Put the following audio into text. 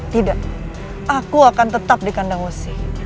tidak aku akan tetap di kandang musik